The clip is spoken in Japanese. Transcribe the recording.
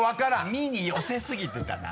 「ミ」に寄せすぎてたな。